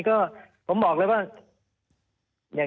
ก็ผมบอกเลยว่า